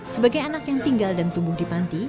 sebagai anak yang tinggal dan tumbuh di panti